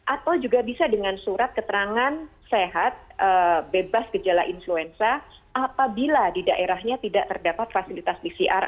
atau juga bisa dengan surat keterangan sehat bebas gejala influenza apabila di daerahnya tidak terdapat fasilitas pcr